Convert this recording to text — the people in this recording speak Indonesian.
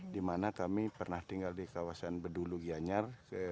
dimana kami pernah tinggal di kawasan berdulu gianyar